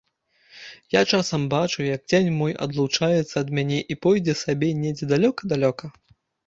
Я часам бачу, як цень мой адлучыцца ад мяне і пойдзе сабе недзе далёка-далёка!